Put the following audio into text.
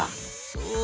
そう。